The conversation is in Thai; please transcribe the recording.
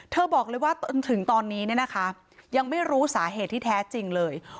เธอบอกเลยว่าถึงตอนนี้ยังไม่รู้สาเหตุที่แท้จริงเลย